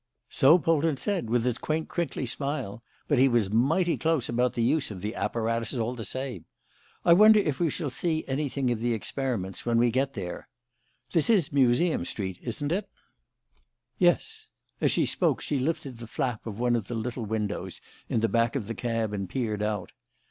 "So Polton said, with his quaint, crinkly smile. But he was mighty close about the use of the apparatus all the same. I wonder if we shall see anything of the experiments, when we get there. This is Museum Street, isn't it?" "Yes." As she spoke, she lifted the flap of one of the little windows in the back of the cab and peered out.